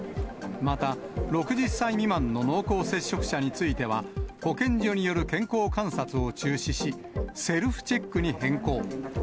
また、６０歳未満の濃厚接触者については、保健所による健康観察を中止し、セルフチェックに変更。